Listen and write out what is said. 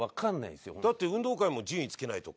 だって運動会も順位つけないとか。